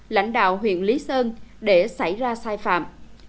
lãnh đạo huyện lý sơn để xảy ra sai phạm